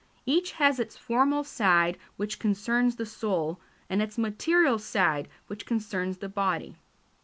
Each has its formal side which concerns the soul, and its material side which concerns the body.